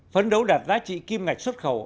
phấn đấu đạt giá trị kim ngạch xuất khẩu